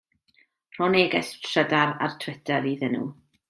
Rho neges trydar ar Twitter iddyn nhw.